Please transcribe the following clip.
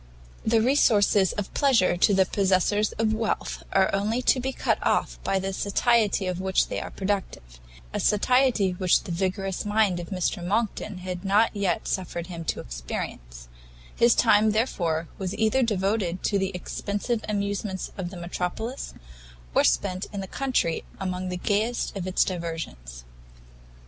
The resources of pleasure to the possessors of wealth are only to be cut off by the satiety of which they are productive: a satiety which the vigorous mind of Mr Monckton had not yet suffered him to experience; his time, therefore, was either devoted to the expensive amusements of the metropolis, or spent in the country among the gayest of its diversions.